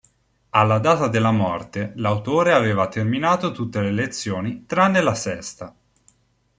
Alla data della morte, l'autore aveva terminato tutte le lezioni tranne la sesta.